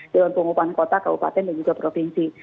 dewan pengupahan kota kabupaten dan juga provinsi